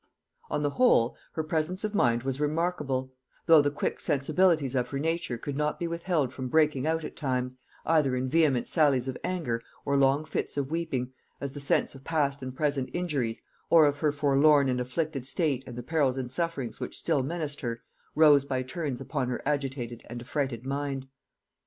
On the whole, her presence of mind was remarkable; though the quick sensibilities of her nature could not be withheld from breaking out at times, either in vehement sallies of anger or long fits of weeping, as the sense of past and present injuries, or of her forlorn and afflicted state and the perils and sufferings which still menaced her, rose by turns upon her agitated and affrighted mind.